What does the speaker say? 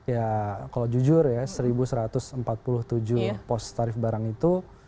ya kalau jujur ya seribu satu ratus empat puluh tujuh pos tarif barang itu